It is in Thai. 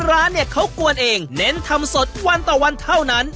ร้านเนี่ยเขากวนเองเน้นทำสดวันต่อวันเท่านั้น